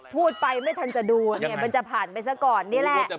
พูดไปไม่ทันจะดูเนี่ยมันจะผ่านไปซะก่อนนี่แหละ